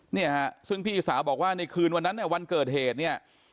เนี่ยฮะซึ่งพี่สาวบอกว่าในคืนวันนั้นเนี่ยวันเกิดเหตุเนี่ย